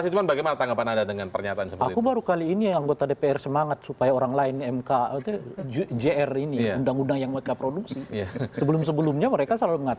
jadi menjaga kesemekan